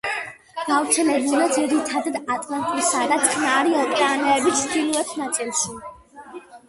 გავრცელებულია ძირითადად ატლანტისა და წყნარი ოკეანეების ჩრდილოეთ ნაწილში.